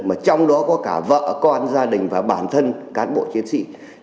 mà trong đó có cả vợ con gia đình và bản thân cán bộ chiến sĩ